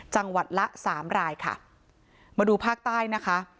จังหวัดละสามรายค่ะมาดูภาคใต้นะคะ